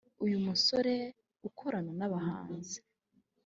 Uyu musore ukorana n’abahanzi